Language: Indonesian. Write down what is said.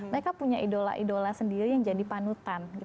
mereka punya idola idola sendiri yang jadi panutan